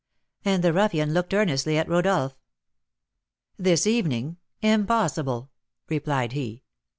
And the ruffian looked earnestly at Rodolph. "This evening! impossible!" replied he.